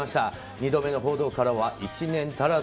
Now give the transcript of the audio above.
２度目の報道からは１年足らず。